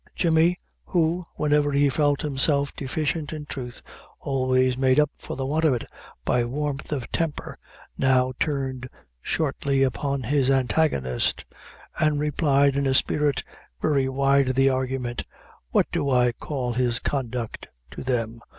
Jemmy, who, whenever he felt himself deficient in truth, always made up for the want of it by warmth of temper, now turned shortly upon his antagonist, and replied, in a spirit very wide of the argument "What do I call his conduct to them?